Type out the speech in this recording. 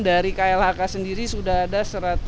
dari klhk sendiri sudah ada